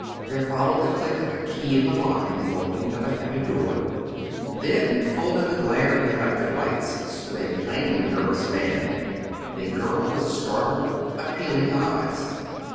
There followed the click of a key in the lock and the opening of a heavy door; then, full in the glare of the electric lights stood a plainly nervous man, and a girl with startled, appealing eyes.